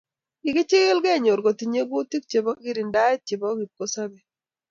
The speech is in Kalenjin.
Kikichikil kenyor kotinyei kutik chebo kirindaet chebo kipkosobei